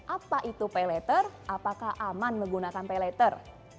apa itu pay later apakah aman menggunakan pay letter